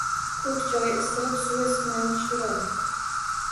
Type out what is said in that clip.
Ko‘k choy, isiriq suvi isitmani tushiradi.